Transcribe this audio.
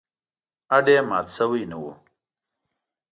هډ یې مات شوی نه و.